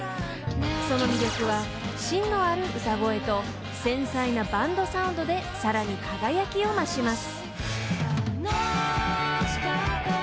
［その魅力はしんのある歌声と繊細なバンドサウンドでさらに輝きを増します］